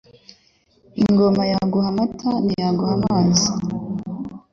Ingoma yaguha amata ntiyaguha amazi :